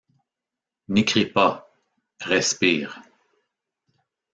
N’écris pas: respire.